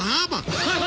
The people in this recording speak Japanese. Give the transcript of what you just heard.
ハハハハ！